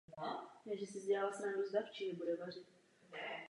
Dříve bývala na jeho vrcholu vesnice.